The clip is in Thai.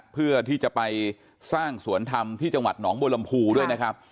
เพื่อที่จะไปสร้างสวนธรรมที่จังหวัดหนองบัวลำพูด้วยนะครับ